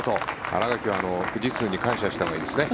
新垣は富士通に感謝したほうがいいですね。